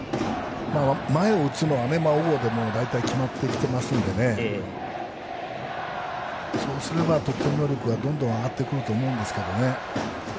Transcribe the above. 前を打つのは小郷で大体決まってきていますのでそうすれば、得点能力がどんどん上がってくると思うんですけど。